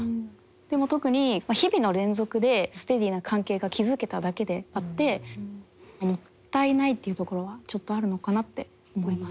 でも特に日々の連続でステディーな関係が築けただけであってもったいないっていうところはちょっとあるのかなって思います。